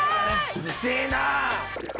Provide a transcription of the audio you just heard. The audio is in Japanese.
うるせえな！